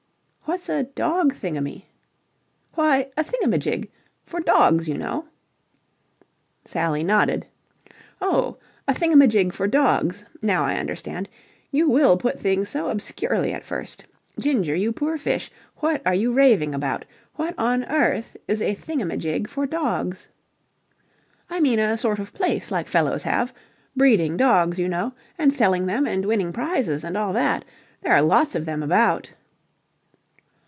"What's a dog thingummy?" "Why, a thingamajig. For dogs, you know." Sally nodded. "Oh, a thingamajig for dogs? Now I understand. You will put things so obscurely at first. Ginger, you poor fish, what are you raving about? What on earth is a thingamajig for dogs?" "I mean a sort of place like fellows have. Breeding dogs, you know, and selling them and winning prizes and all that. There are lots of them about."